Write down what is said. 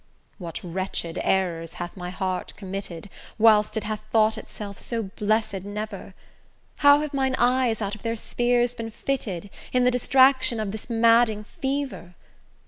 What wretched errors hath my heart committed, Whilst it hath thought itself so blessed never! How have mine eyes out of their spheres been fitted, In the distraction of this madding fever!